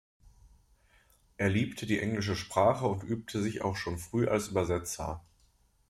Er liebte die englische Sprache und übte sich auch schon früh als Übersetzer.